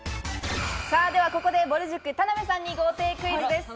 ここで、ぼる塾・田辺さんに豪邸クイズです。